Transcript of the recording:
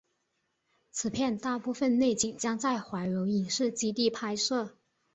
此片大部分内景将在怀柔影视基地拍摄。